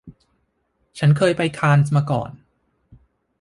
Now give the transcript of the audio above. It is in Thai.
ฉันเคยไปคานส์มาก่อน